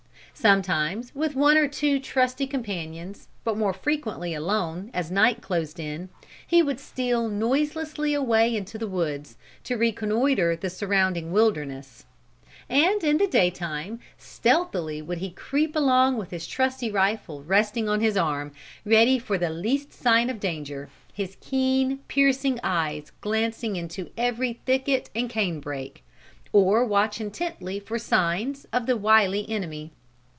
"Sometimes with one or two trusty companions, but more frequently alone, as night closed in, he would steal noiselessly away into the woods, to reconnoiter the surrounding wilderness. And in the day time, stealthily would he creep along with his trusty rifle resting on his arm, ready for the least sign of danger, his keen, piercing eyes glancing into every thicket and canebrake, or watch intently for 'signs' of the wiley enemy.